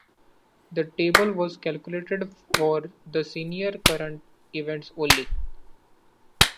This table was calculated for the senior current events only.